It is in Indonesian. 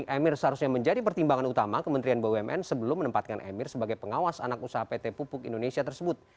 emir seharusnya menjadi pertimbangan utama kementerian bumn sebelum menempatkan emir sebagai pengawas anak usaha pt pupuk indonesia tersebut